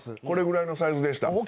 これぐらいのサイズでした。